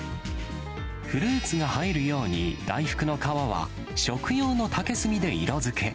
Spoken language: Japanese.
フルーツが映えるように、大福の皮は食用の竹炭で色づけ。